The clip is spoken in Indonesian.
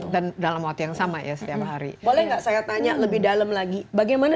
dan dalam waktu yang sama ya setiap hari boleh enggak saya tanya lebih dalam lagi bagaimana